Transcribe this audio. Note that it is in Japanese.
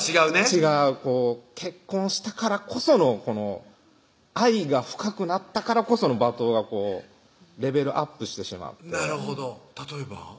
違う結婚したからこその愛が深くなったからこその罵倒がレベルアップしてしまってなるほど例えば？